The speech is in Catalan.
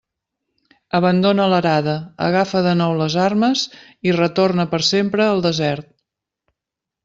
Abandona l'arada, agafa de nou les armes, i retorna per sempre al desert.